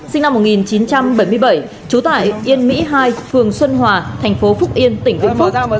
tỉnh sơn la chú tải yên mỹ hai phường xuân hòa thành phố phúc yên tỉnh vịnh phúc